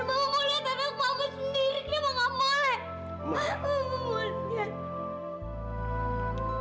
mama mau lihat anak mama sendiri